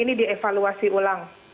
ini dievaluasi ulang